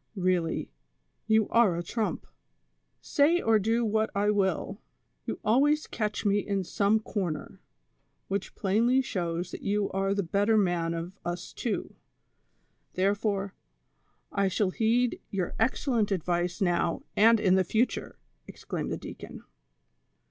" Eeally, you are a trump ; say or do what I will, you al ways catch me in some corner, which plainly shows that you are the better man of us two ; therefore, I shall heed your excellent advice now and in the future," exclaimed the deacon.